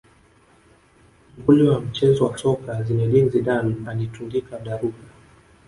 nguli wa mchezo wa soka zinedine zidane alitundika daruga